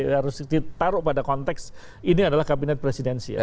harus ditaruh pada konteks ini adalah kabinet presidensial